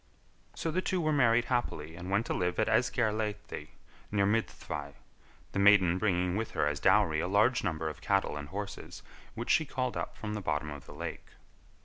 So the two were married happily and went to live at Esgair Laethdy, near Myddfai, the maiden bringing with her as dowry a large number of cattle and horses which she called up from the bottom of the lake.